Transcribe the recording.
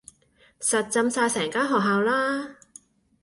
實浸晒成間學校啦